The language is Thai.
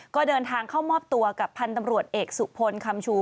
ก็เดินทางเข้ามอบตัวกับพันธุ์ตำรวจเอกสุพลคำชู